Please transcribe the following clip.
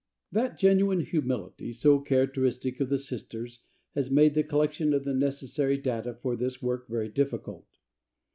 That genuine humility so characteristic of the Sisters has made the collection of the necessary data for this work very difficult.